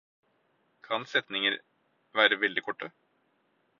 Kan setninger være veldig korte?